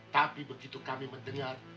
tapi begitu kami mendengar